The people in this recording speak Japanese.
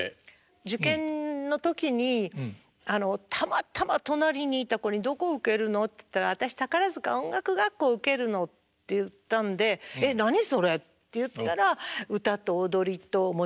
受験の時にたまたま隣にいた子に「どこ受けるの？」っつったら「私宝塚音楽学校受けるの」って言ったんで「え何それ？」って言ったら「歌と踊りともちろんお勉強もあって